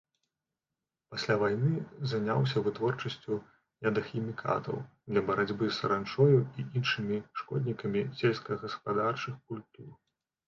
Пасля вайны заняўся вытворчасцю ядахімікатаў для барацьбы з саранчою і іншымі шкоднікамі сельскагаспадарчых культур.